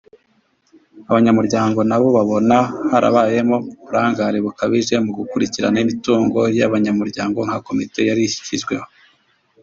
Abanyamuryango nabo babona harabayemo uburangare bukabije mu gukurikirana imitungo y’abanyamuryango nka komite yari ishyizweho